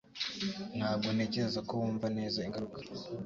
Ntabwo ntekereza ko wumva neza ingaruka